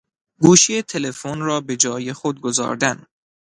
گوشی تلفون را بجای خود گذاردن